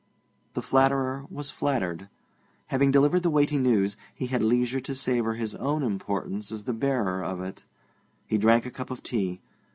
The flatterer was flattered. Having delivered the weighty news, he had leisure to savour his own importance as the bearer of it. He drank a cup of tea.